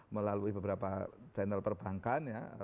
melalui beberapa channel perbankan ya